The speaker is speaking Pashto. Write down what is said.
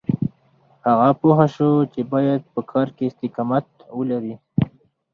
هغه پوه شو چې بايد په کار کې استقامت ولري.